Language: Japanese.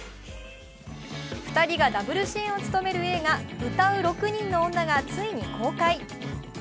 ２人がダブル主演を務める映画「唄う六人の女」がついに公開。